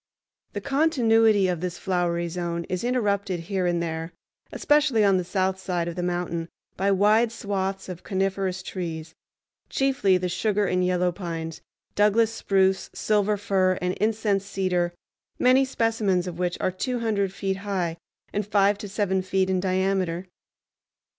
The continuity of this flowery zone is interrupted here and there, especially on the south side of the mountain, by wide swaths of coniferous trees, chiefly the sugar and yellow pines, Douglas spruce, silver fir, and incense cedar, many specimens of which are two hundred feet high and five to seven feet in diameter.